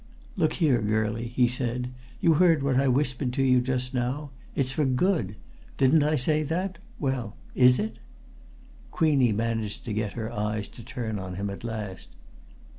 "Look here, girlie," he said. "You heard what I whispered to you just now? 'It's for good!' Didn't I say that? Well, is it?" Queenie managed to get her eyes to turn on him at last.